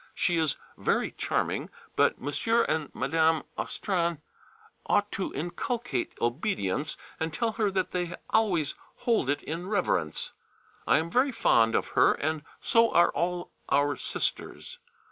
She is very charming, but M. and Mme. Austrain ought to inculcate obedience, and tell her that they always hold it in reverence. I am very fond of her and so are all our Sisters.